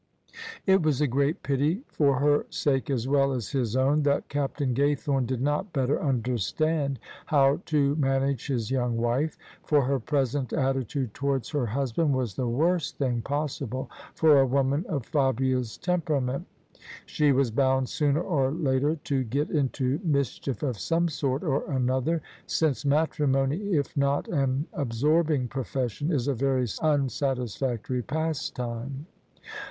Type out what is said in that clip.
It was a great pity, for her sake as well as his own, that Captain Gaythome did not better understand how to man age his young wife: for her present attitude towards her husband was the worst thing possible for a woman of Fabia's temperament She was bound sooner or later to get into mischief of some sort or another: since matrimony, if not an absorbing profession, is a very unsatisfactory pas time.